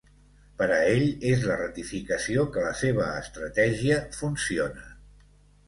Per a ell és la ratificació que la seva estratègia funciona.